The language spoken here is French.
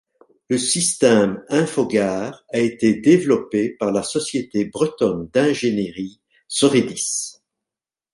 Le système Infogare a été développé par la société bretonne d'ingénierie Soridis.